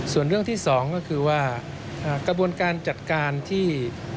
ส่วนเรื่องที่สองก็คือว่ากระบวนการจัดการที่